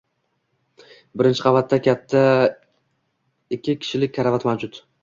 birinchi qavatda katta ikki kishilik karavot mavjud.